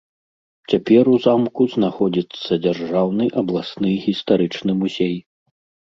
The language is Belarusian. Цяпер у замку знаходзіцца дзяржаўны абласны гістарычны музей.